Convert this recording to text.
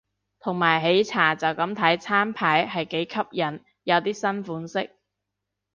同埋喜茶就咁睇餐牌係幾吸引，有啲新款式